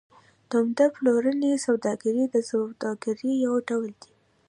د عمده پلورنې سوداګري د سوداګرۍ یو ډول دی